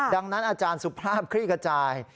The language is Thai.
ดังนั้นอาจารย์สุภาพคลี่ขจาย